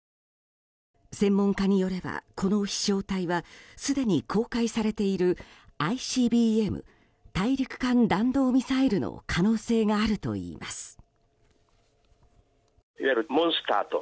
専門家によればこの飛翔体はすでに公開されているＩＣＢＭ・大陸間弾道ミサイルの可能性があるといいます。